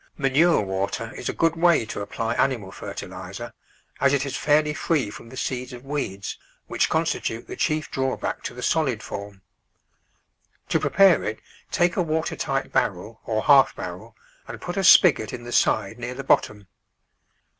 Manure water is a good way to apply animal fertil iser, as it is fairly free from the seeds of weeds, which Digitized by Google 26 The Flower Garden [Chapter constitute the chief drawback to the solid form. To prepare it take a water tight barrel or half barrel and put a spigot in the side near the bottom.